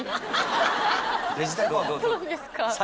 どうですか？